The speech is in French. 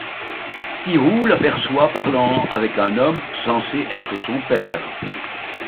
Spirou l'aperçoit parlant avec un homme, censé être son père.